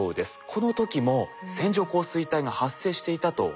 この時も線状降水帯が発生していたと考えられているんです。